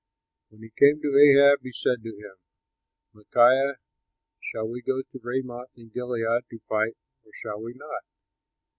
When he came to Ahab, he said to him, "Micaiah, shall we go to Ramoth in Gilead to fight, or shall we not?"